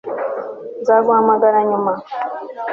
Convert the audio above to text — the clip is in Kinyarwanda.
Nzaguhamagara nyuma